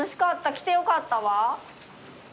来てよかったわ。